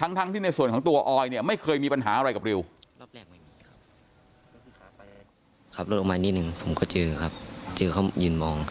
ทั้งที่ในส่วนของตัวออยเนี่ยไม่เคยมีปัญหาอะไรกับริว